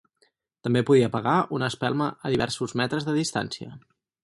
També podia apagar una espelma a diversos metres de distància.